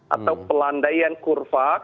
atau pelandaian kurva